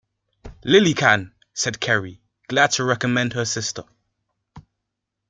"Lily can," said Kerry, glad to recommend her sister.